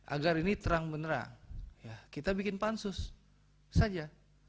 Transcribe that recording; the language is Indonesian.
agar ini terang benerang kita bikin pansus saja